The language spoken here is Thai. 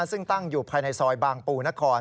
ซึ่งตั้งอยู่ภายในซอยบางปูนคร